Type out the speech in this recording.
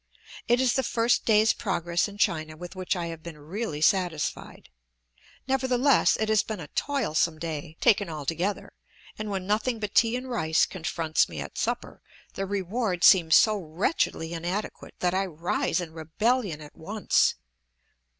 It is the first day's progress in China with which I have been really satisfied. Nevertheless, it has been a toilsome day, taken altogether, and when nothing but tea and rice confronts me at supper the reward seems so wretchedly inadequate that I rise in rebellion at once.